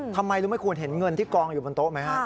ทำไมรู้ไหมคุณเห็นเงินที่กองอยู่บนโต๊ะไหมฮะ